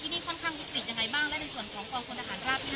และเป็นส่วนของกองคนอาหารราภที่ห้าได้เข้ามาช่วยเหลือยังไง